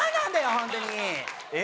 ホントにええ？